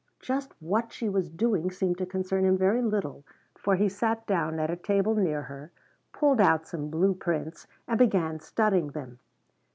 Just what she was doing seemed to concern him very little, for he sat down at a table near her, pulled out some blue prints, and began studying them.